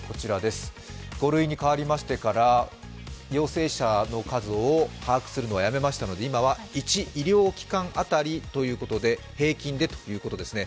５類に変わりましてから陽性者の数を把握するのをやめましたので今は１医療機関当たりということで平均でということですね。